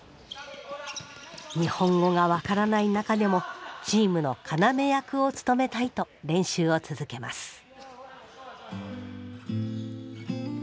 日本語が分からない中でもチームの要役を務めたいと練習を続けます。